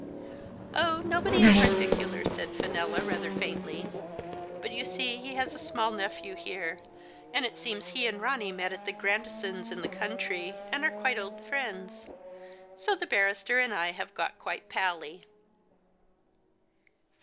" Oh, nobody in particular," said Fenella, rather faintly, " but you see he has a small nephew here, and it seems he and Ronny met at the Grandi sons* in the country, and are quite old« friends. So the barrister and I have got quite pally."